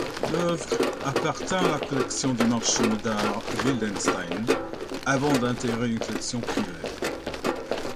L’œuvre appartint à la collection du marchant d'art Wildenstein avant d'intégrer une collection privée.